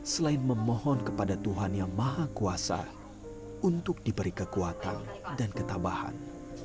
selain memohon kepada tuhan yang maha kuasa untuk diberi kekuatan dan ketabahan